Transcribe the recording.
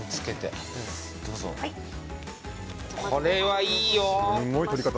これはいいよ。